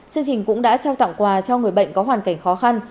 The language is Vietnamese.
chương trình cũng đã trao tặng quà cho người bệnh có hoàn cảnh khó khăn